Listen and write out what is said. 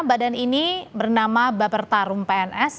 badan ini bernama bapertarum pns